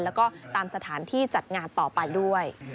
แล้วก็ตามสถานที่จัดงานต่อไปด้วย